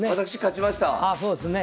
あそうですね